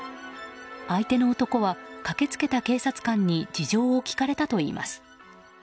相手の男は駆け付けた警察官に事情を聴かれたといいます。